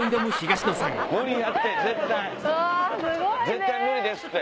絶対無理ですって。